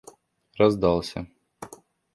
раздался